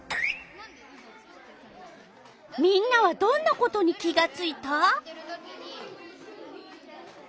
みんなはどんなことに気がついた？